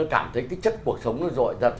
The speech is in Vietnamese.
nó cảm thấy cái chất cuộc sống nó dội dật